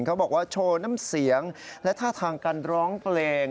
เขาบอกว่าโชว์น้ำเสียงและท่าทางการร้องเพลง